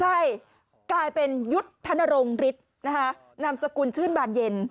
ใช่กลายเป็นยุทธนรงฤทธิ์นะคะนามสกุลชื่นบานเย็น